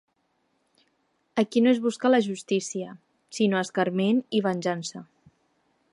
Aquí no es busca la justícia, sinó escarment i venjança.